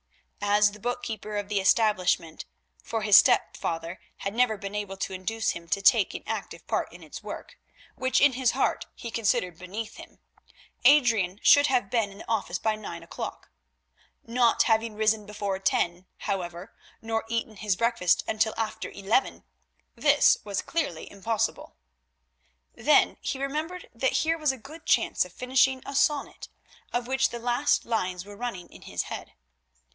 As the bookkeeper of the establishment, for his stepfather had never been able to induce him to take an active part in its work, which in his heart he considered beneath him, Adrian should have been in the office by nine o'clock. Not having risen before ten, however, nor eaten his breakfast until after eleven, this was clearly impossible. Then he remembered that here was a good chance of finishing a sonnet, of which the last lines were running in his head.